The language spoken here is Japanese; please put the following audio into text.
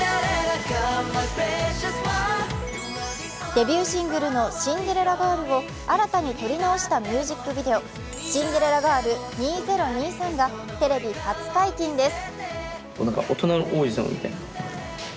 デビューシングルの「シンデレラガール」を新たに撮り直したミュージックビデオ、「シンデレラガール２０２３」がテレビ初解禁です。